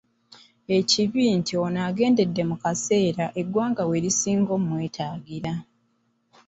Kibi nti ono agendedde mu kaseera eggwanga we lisinga okumwetaagira.